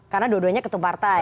karena dua duanya ketua partai